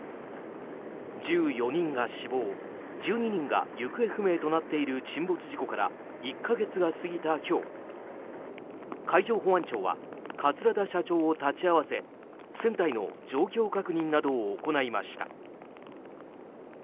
１４人が死亡１２人が行方不明となっている沈没事故から１か月が過ぎた今日海上保安庁は桂田社長を立ち会わせ船体の状況確認などを行いました。